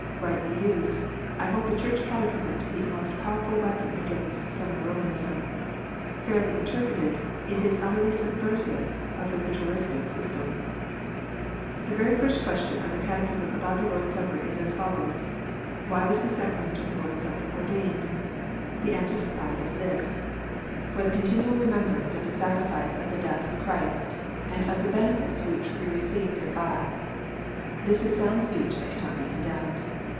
Rightly used, I hold the Church Catechism to be a most powerful weapon against semi Romanism. Fairly interpreted, it is utterly subversive of the " Ritualistic " system. The very first question of the Catechism about the Lord s Supper is as follows: "Why was the sacrament of the Lord s Supper ordained 1 ?" The answer supplied is this: "For the THE LORD S SUPPEI;. 165 continual remembrance of the sacrifice of the death of Christ, and of the benefits which we receive thereby." This is sound speech that cannot be condemned.